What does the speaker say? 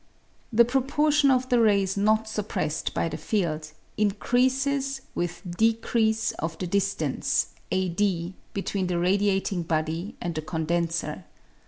The proportion of the rays not suppressed by the field increases with decrease of the distance, a d, between the radiating body and the condenser.